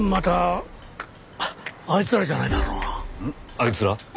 あいつら？